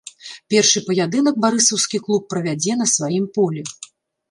Першы паядынак барысаўскі клуб правядзе на сваім полі.